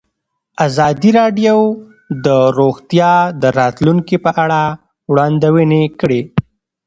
ازادي راډیو د روغتیا د راتلونکې په اړه وړاندوینې کړې.